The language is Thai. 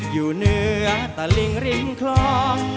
อยู่เนื้อตะลิ้งคลอง